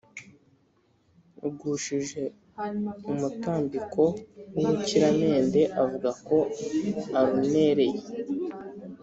ugushije umutambiko w’urukiramende bavuga ko arunereye